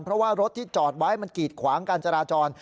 เพราะว่ารถที่จอดไว้มันกีดขวางการจราจร